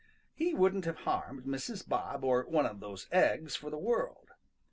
He wouldn't have harmed Mrs. Bob or one of those eggs for the world.